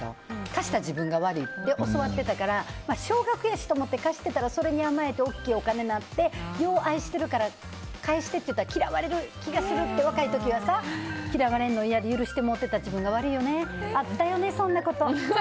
貸した自分が悪いって教わってたから少額やしと思って貸していたらそれに甘えて大きなお金になって愛してるから返してって言ったら嫌われた気がするって若い時は嫌われるの嫌で許してしまう自分がおったよね。